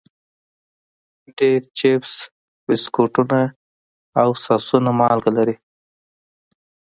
ډېری چپس، بسکټونه او ساسونه مالګه لري.